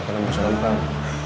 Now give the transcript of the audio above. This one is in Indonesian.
karena musim lempar